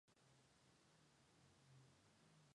其中汉朝与唐朝之盛世又被合称为汉唐盛世。